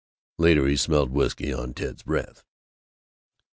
Later he smelled whisky on Ted's breath.